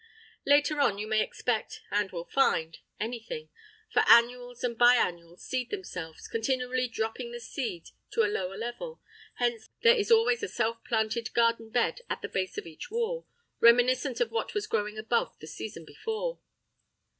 Later on you may expect—and will find—anything; for annuals and bi annuals seed themselves, continually dropping the seed to a lower level; hence there is always a self planted garden bed at the base of each wall, reminiscent of what was growing above the season before.